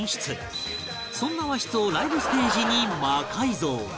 そんな和室をライブステージに魔改造